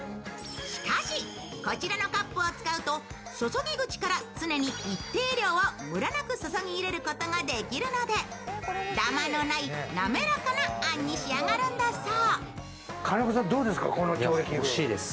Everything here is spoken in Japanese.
しかし、こちらのカップを使うと注ぎ口から常に一定量をむらなく注ぎ入れることができるのでダマのない、滑かなあんに仕上がるんだそう。